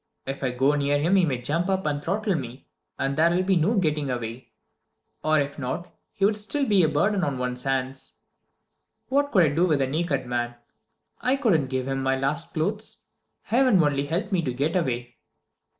If I go near him he may jump up and throttle me, and there will be no getting away. Or if not, he'd still be a burden on one's hands. What could I do with a naked man? I couldn't give him my last clothes. Heaven only help me to get away!"